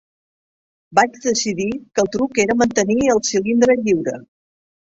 Vaig decidir que el truc era mantenir el cilindre lliure.